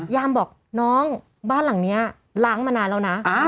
ยามบอกน้องบ้านหลังนี้ล้างมานานแล้วนะ